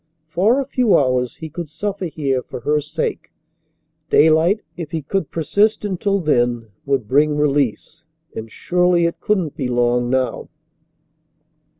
For a few hours he could suffer here for her sake. Daylight, if he could persist until then, would bring release, and surely it couldn't be long now.